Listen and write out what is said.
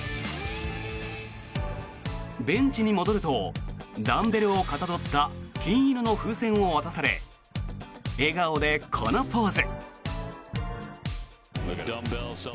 ベンチに戻るとダンベルをかたどった金色の風船を渡され笑顔で、このポーズ。